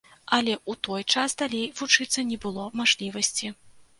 Але ў той час далей вучыцца не было мажлівасці.